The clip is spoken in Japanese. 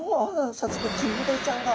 早速キンメダイちゃんが。